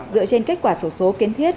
dựa trên kết quả số số kiến thiết